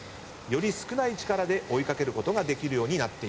より少ない力で追い掛けることができるようになっています。